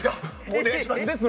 お願いします。